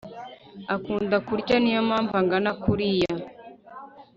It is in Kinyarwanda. akunda kurya niyo mpamvu angana kuria